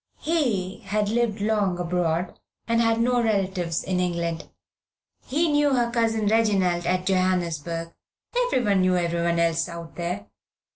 He had lived long abroad, had no relatives in England. He knew her Cousin Reginald at Johannesburg everyone knew everyone else out there.